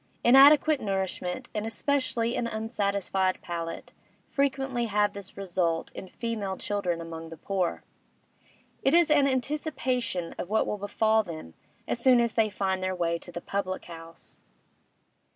Inadequate nourishment, and especially an unsatisfied palate, frequently have this result in female children among the poor; it is an anticipation of what will befall them as soon as they find their way to the public house.